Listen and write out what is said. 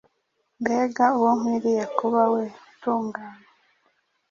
mbega uwo nkwiriye kuba we utunganye”.